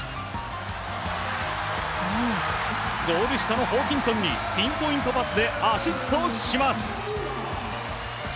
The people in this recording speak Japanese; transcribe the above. ゴール下のホーキンソンにピンポイントパスでアシストします。